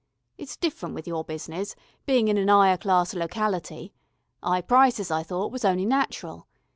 It's different with your business, bein' in an 'igher class locality. 'Igh prices, I thought, was only natural.